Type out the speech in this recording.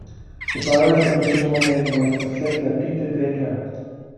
The borough's original name was for settler Peter Decker.